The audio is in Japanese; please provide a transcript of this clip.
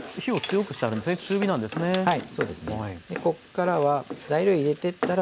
はい。